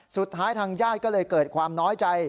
ทางญาติก็เลยเกิดความน้อยใจ